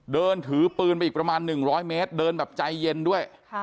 เดินถือปืนไปอีกประมาณ๑๐๐เมตรเดินแบบใจเย็นด้วย